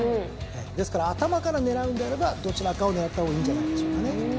ですから頭から狙うんであればどちらかを狙った方がいいんじゃないでしょうかね。